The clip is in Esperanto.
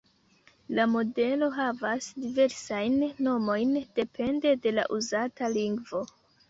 La modelo havas diversajn nomojn depende de la uzata lingvo.